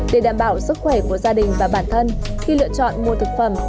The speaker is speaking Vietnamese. để đảm bảo sức khỏe của gia đình và bản thân khi lựa chọn mua thực phẩm